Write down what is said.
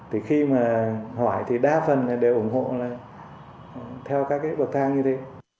thì khi mà hỏi thì đa phần đều ủng hộ theo các cái bậc thang như thế